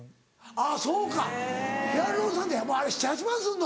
あぁそうかヒアルロン酸ってやっぱあれ７８万すんの。